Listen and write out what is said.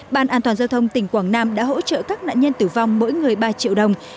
ban an toàn giao thông tỉnh quảng nam đã hỗ trợ các nạn nhân tử vong mỗi người ba triệu đồng